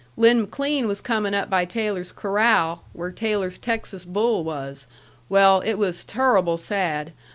Lin McLean was comin' up by Taylor's corral, where Taylor's Texas bull was. Well, it was turruble sad.